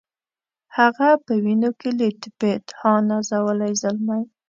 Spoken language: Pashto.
هغه په وینو کي لت پت ها نازولی زلمی